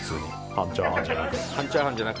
半チャーハンじゃなく？